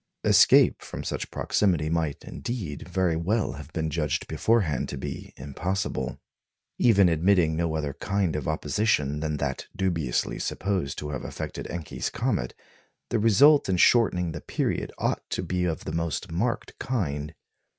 Escape from such proximity might, indeed, very well have been judged beforehand to be impossible. Even admitting no other kind of opposition than that dubiously supposed to have affected Encke's comet, the result in shortening the period ought to be of the most marked kind.